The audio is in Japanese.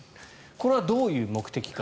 これはどういう目的か。